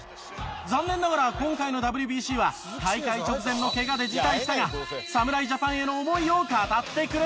残念ながら今回のＷＢＣは大会直前のけがで辞退したが侍ジャパンへの思いを語ってくれていた。